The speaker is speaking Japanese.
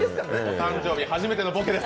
誕生日、初めてのボケです！